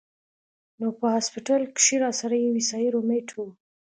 نو پۀ هاسټل کښې راسره يو عيسائي رومېټ وۀ